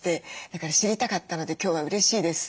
だから知りたかったので今日はうれしいです。